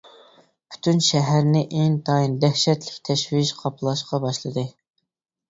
پۈتۈن شەھەرنى ئىنتايىن دەھشەتلىك تەشۋىش قاپلاشقا باشلىدى.